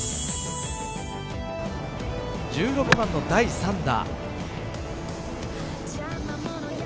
１６番の第３打。